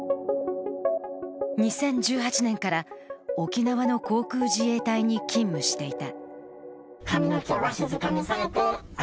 ２０１８年から沖縄の航空自衛隊に勤務していた。